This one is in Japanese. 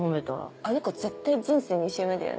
あの子絶対人生２周目だよね。